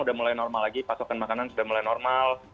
sudah mulai normal lagi pasokan makanan sudah mulai normal